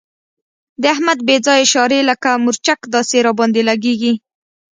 د احمد بې ځایه اشارې لکه مرچک داسې را باندې لګېږي.